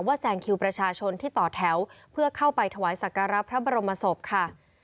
แซงคิวประชาชนที่ต่อแถวเพื่อเข้าไปถวายสักการะพระบรมศพค่ะ